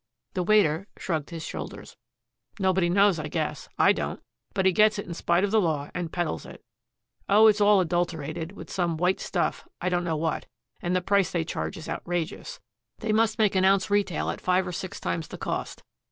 The waiter shrugged his shoulders. "Nobody knows, I guess. I don't. But he gets it in spite of the law and peddles it. Oh, it's all adulterated with some white stuff, I don't know what, and the price they charge is outrageous. They must make an ounce retail at five or six times the cost.